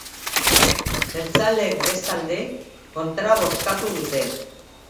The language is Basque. Jeltzaleek bestalde, kontra bozkatu dute.